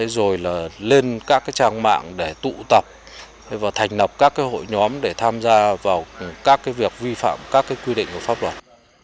rồi là lên các trang mạng để tụ tập và thành lập các hội nhóm để tham gia vào các việc vi phạm các quy định của pháp luật